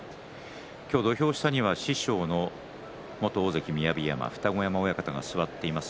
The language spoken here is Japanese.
今日、土俵下には師匠の元大関雅山二子山親方が座っています。